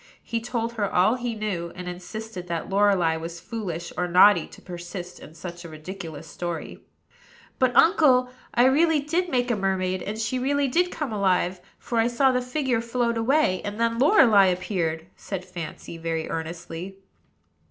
He told her all he knew, and insisted that Lorelei was foolish or naughty to persist in such a ridiculous story. "But, uncle, I really did make a mermaid; and she really did come alive, for I saw the figure float away, and then Lorelei appeared," said Fancy, very earnestly.